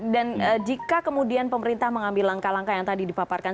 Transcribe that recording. dan jika kemudian pemerintah mengambil langkah langkah yang tadi dipaparkan